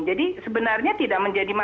jadi sebenarnya tidak menjadikan